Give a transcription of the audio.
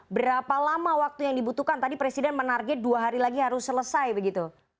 berapa lama waktu yang dibutuhkan tadi presiden menarget dua hari lagi harus selesai begitu